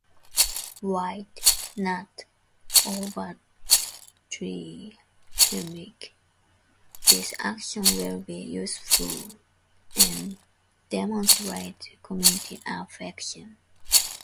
While not overtly heroic, this action will be useful and demonstrated community affection.